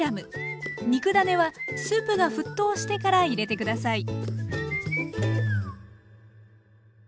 肉ダネはスープが沸騰してから入れて下さい。